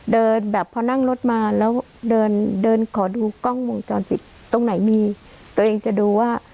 เดินแบบพอนั่งรถมาแล้วเดินเดินขอดูกล้องวงจรปิดตรงไหนมีตัวเองจะดูว่า